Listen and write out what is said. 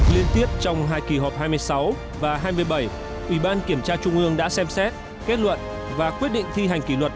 liên tiếp trong hai kỳ họp hai mươi sáu và hai mươi bảy ủy ban kiểm tra trung ương đã xem xét kết luận và quyết định thi hành kỷ luật